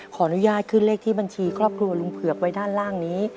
ขออนุญาตขึ้นเลขที่บัญชีครอบครัวลุงเผือกไว้ด้านล่างนี้